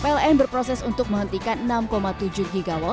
pln berproses untuk menghentikan enam tujuh gw